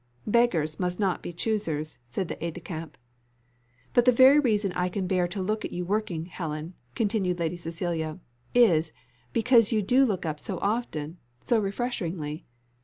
"Beggars must not be choosers," said the aide de camp. "But the very reason I can bear to look at you working, Helen," continued Lady Cecilia, "is, because you do look up so often so refreshingly.